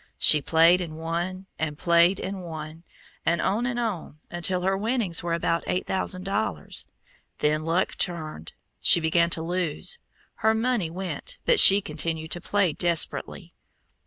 She played and won, and played and won, and on and on, until her winnings were about eight thousand dollars. Then luck turned. She began to lose. Her money went, but she continued to play desperately.